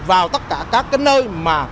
vào tất cả các nơi